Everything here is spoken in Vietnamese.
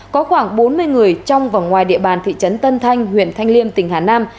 có khoảng bốn mươi người trong và ngoài địa bàn thị trấn tân thanh huyện thanh liêm tỉnh hà nam